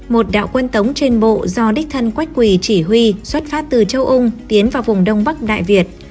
một đạo quân tống trên bộ do đích thân quách quỳ chỉ huy xuất phát từ châu âu tiến vào vùng đông bắc đại việt